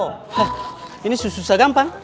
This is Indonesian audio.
hah ini susah gampang